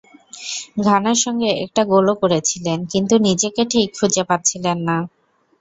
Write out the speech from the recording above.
ঘানার সঙ্গে একটা গোলও করেছিলেন, কিন্তু নিজেকে ঠিক খুঁজে পাচ্ছিলেন না।